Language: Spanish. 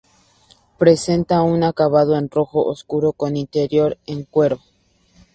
Presenta un acabado en rojo oscuro con interior en cuero.